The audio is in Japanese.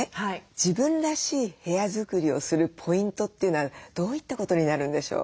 自分らしい部屋作りをするポイントというのはどういったことになるんでしょう？